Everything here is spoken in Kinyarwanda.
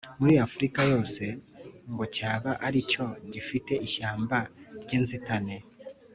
muri Afurika yose ngo cyaba ari cyo gifite ishyamba ry’inzitane